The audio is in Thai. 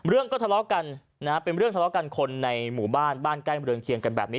เรื่องก็ทะเลาะกันนะฮะเป็นเรื่องทะเลาะกันคนในหมู่บ้านบ้านใกล้เมืองเคียงกันแบบนี้